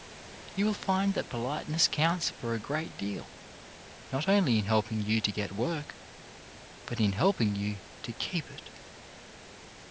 You will find that polite ness counts for a great deal, not only in helping you to get work, but in helping you to keep it.